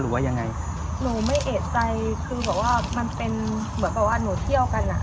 หรือว่ายังไงหนูไม่เอกใจคือบอกว่ามันเป็นเหมือนกับว่าหนูเที่ยวกันอ่ะ